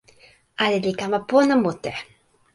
ale li kama pona mute.